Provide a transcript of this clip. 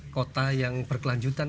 kota yang berkelanjutan